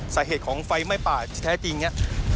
สาเหตุของไฟไหม้ป่าแท้จริงเนี่ย